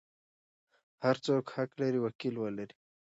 هر څوک حق لري وکیل ولري.